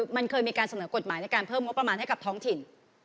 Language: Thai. มันเคยมีการเสนอกฎหมายในการเพิ่มงบประมาณให้กับท้องถิ่น